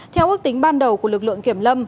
theo ước tính ban đầu của lực lượng kiểm lâm